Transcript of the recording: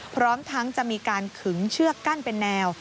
พร้อมทั้งจะมีการขึงเชือกกั้นเป็นแนว